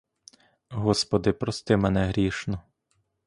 Господи, прости мене грішну.